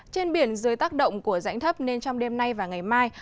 trên biển dưới tác động của rãnh thấp nên trong đêm nay và ngày mai